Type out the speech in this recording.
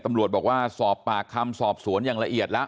ตำรวจบอกว่าสอบปากคำสอบสวนอย่างละเอียดแล้ว